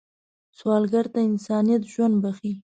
سوالګر ته انسانیت ژوند بښي